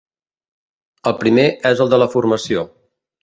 El primer és el de la formació.